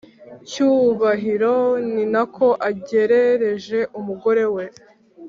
cyubahiro ninako agerereje umugore we